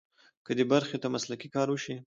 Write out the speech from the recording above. که دې برخې ته مسلکي کار وشي.